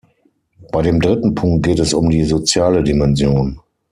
Bei dem dritten Punkt geht es um die soziale Dimension.